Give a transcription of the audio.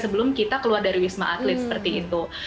sebelum kita keluar dari wismatli seperti itu